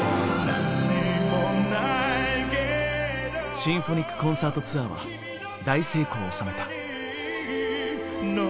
シンフォニックコンサートツアーは大成功を収めた。